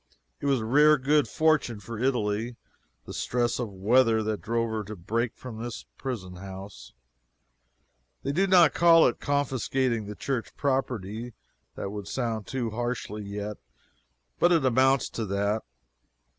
It was a rare good fortune for Italy, the stress of weather that drove her to break from this prison house. They do not call it confiscating the church property. That would sound too harshly yet. But it amounts to that.